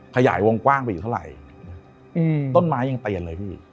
ขยายวงกว้างไปอยู่เท่าไหร่ต้นไม้ยังเปลี่ยนเลยพี่